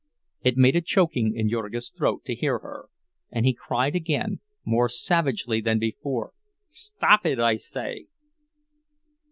It made a choking in Jurgis' throat to hear her, and he cried again, more savagely than before: "Stop it, I say!"